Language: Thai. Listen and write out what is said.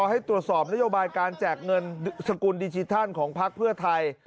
ให้ตรวจสอบนโยบายการแจกเงินสกุลดิจิทัลของพักเพื่อไทย